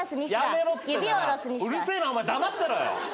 うるせえな黙ってろよ。